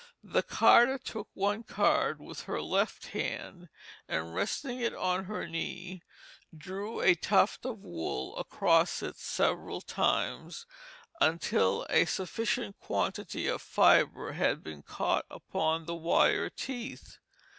The carder took one card with her left hand, and resting it on her knee, drew a tuft of wool across it several times, until a sufficient quantity of fibre had been caught upon the wire teeth.